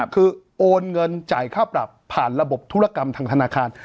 คือโอนเงินจ่ายค่าปรับผ่านระบบธุรกรรมทางธนาคาร